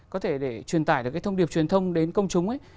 có thể để truyền tải được cái thông điệp truyền thông đến công chúng ấy